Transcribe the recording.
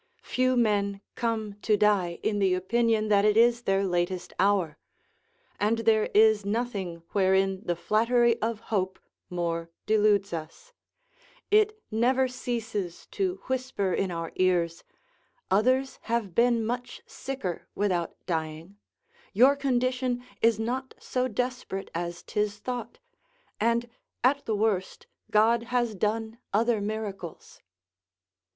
Few men come to die in the opinion that it is their latest hour; and there is nothing wherein the flattery of hope more deludes us; It never ceases to whisper in our ears, "Others have been much sicker without dying; your condition is not so desperate as 'tis thought; and, at the worst, God has done other miracles."